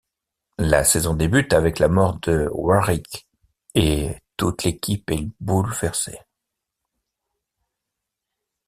La saison débute avec la mort de Warrick, et toute l'équipe est bouleversée.